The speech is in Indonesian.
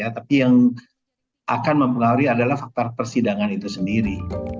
tapi yang akan mempengaruhi adalah faktor persidangan itu sendiri